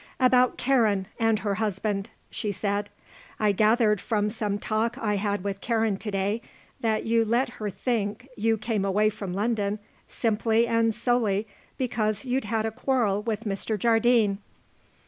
"About Karen and her husband," she said. "I gathered from some talk I had with Karen to day that you let her think you came away from London simply and solely because you'd had a quarrel with Mr. Jardine."